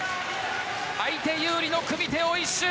相手有利の組み手を一蹴！